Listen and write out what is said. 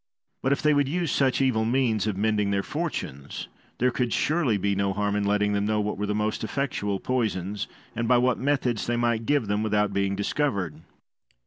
But, if they would use such evil means of mending their fortunes, there could surely be no harm in letting them know what were the most effectual poisons, and by what methods they might give them without being discovered.